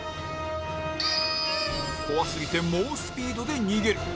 怖すぎて猛スピードで逃げる